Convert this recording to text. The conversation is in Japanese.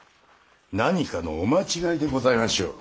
何かのお間違いでございましょう。